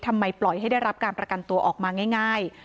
ทำไมปล่อยให้ได้รับการประกันตัวออกมาง่าย